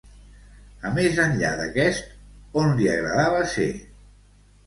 I més enllà d'aquest, on li agradava ser?